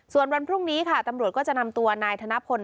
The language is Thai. ส่วนวันพรุ่งนี้ค่ะตำรวจก็จะนำตัวนายธนพล